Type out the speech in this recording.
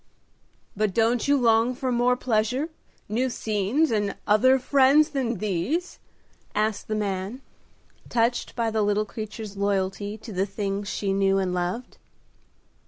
"But don't you long for more pleasure, new scenes and other friends than these?" asked the man, touched by the little creature's loyalty to the things she knew and loved.